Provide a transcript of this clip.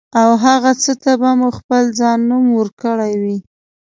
او هغه څه ته به مو خپل ځان نوم ورکړی وي.